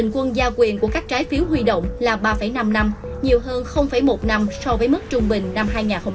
tổng quyền của các trái phiếu huy động là ba năm năm nhiều hơn một năm so với mức trung bình năm hai nghìn hai mươi hai